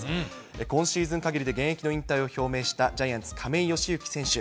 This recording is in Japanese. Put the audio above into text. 今シーズンかぎりで現役の引退を表明したジャイアンツ、亀井義行選手。